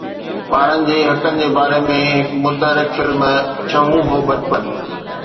ٻارن جي حقن جي باري ۾ هڪ متحرڪ فلم، ڇهون هو بچپن